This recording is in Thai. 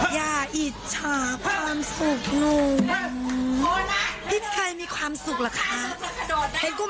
อย่าอิจฉาความสุขนุ่ม